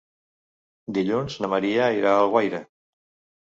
Dilluns na Maria irà a Alguaire.